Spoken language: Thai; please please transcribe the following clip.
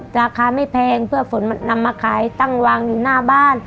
ราคาไม่แพงเพื่อฝนมันนำมาขายตั้งวางอยู่หน้าบ้าน